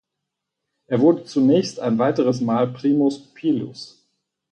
Er wurde zunächst ein weiteres Mal Primus pilus.